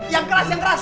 yang keras yang keras